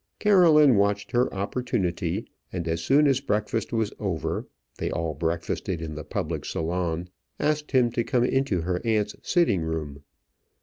Caroline watched her opportunity, and as soon as breakfast was over they all breakfasted in the public salon asked him to come into her aunt's sitting room.